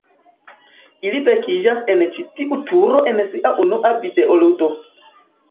Ili vekiĝas en ĉi tiu turo en sia unua videoludo.